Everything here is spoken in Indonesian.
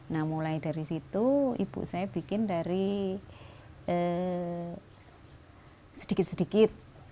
nah mulai dari situ ibu saya bikin dari sedikit sedikit